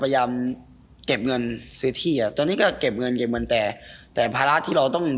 ไปกินเก็บเงินซื้อที่คือเผาทุกอย่าง